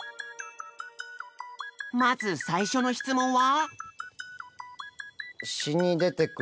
まず最初の質問は？